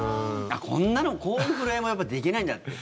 こんなの、こういう触れ合いもできないんだって。